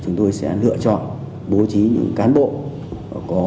chúng tôi sẽ lựa chọn bố trí những cán bộ có